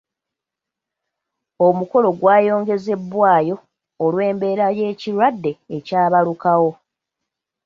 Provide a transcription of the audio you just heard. Omukolo gwayongezebwayo olw’embeera y’ekirwadde ekyabalukawo.